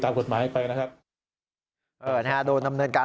๒๐ตัวครึ่บค่ะ